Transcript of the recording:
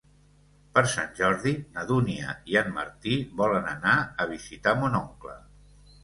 Per Sant Jordi na Dúnia i en Martí volen anar a visitar mon oncle.